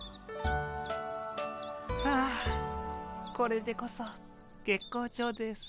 ああこれでこそ月光町です。